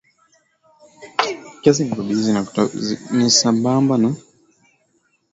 Ni sambamba na kuweka mazingira rafiki ya uwekezaji kwa vijana na wanawake